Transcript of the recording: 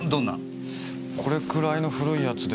これくらいの古いやつで。